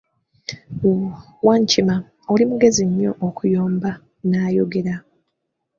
Wankima, oli mugezi nnyo okuyomba, n'ayogera.